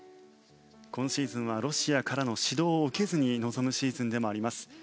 今シーズンはロシアからの指導を受けずに臨むシーズンでもあります。